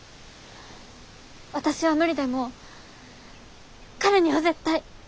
私は無理でも彼には絶対。